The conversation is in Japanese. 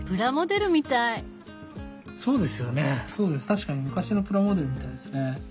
確かに昔のプラモデルみたいですね。